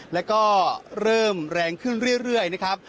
แล้วก็เริ่มแรงขึ้นเรื่อยนะครับ